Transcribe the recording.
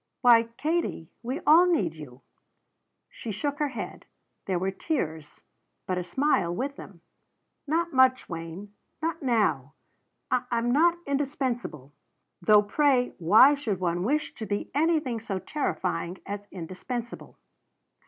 "Why, Katie we all need you." She shook her head; there were tears, but a smile with them. "Not much, Wayne. Not now. I'm not indispensable. Though pray why should one wish to be anything so terrifying as indispensable?"